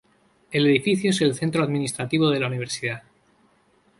El edificio es el centro administrativo de la universidad.